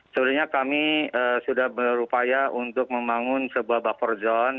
sebenarnya kami sudah berupaya untuk membangun sebuah buffer zone